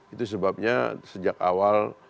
itu sebabnya sejak awal